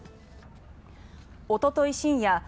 おととい深夜